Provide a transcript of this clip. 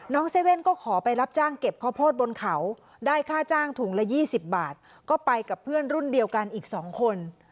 เซเว่นก็ขอไปรับจ้างเก็บข้าวโพดบนเขาได้ค่าจ้างถุงละ๒๐บาทก็ไปกับเพื่อนรุ่นเดียวกันอีก๒คน